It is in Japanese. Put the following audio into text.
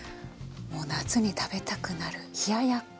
夏に食べたくなる冷ややっこ。